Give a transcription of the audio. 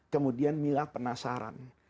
kemudian mila penasaran